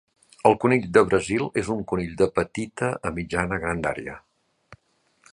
El conill de Brasil és un conill de petita a mitjana grandària.